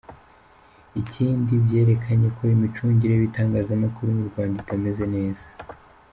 Ikindi bwerekanye ko imicungire y’ibitangazamakuru mu Rwanda itameze neza.